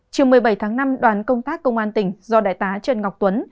chiều một mươi bảy tháng năm đoàn công tác công an tỉnh do đại tá trần ngọc tuấn